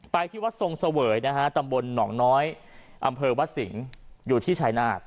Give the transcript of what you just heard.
ที่วัดทรงเสวยนะฮะตำบลหนองน้อยอำเภอวัดสิงห์อยู่ที่ชายนาฏ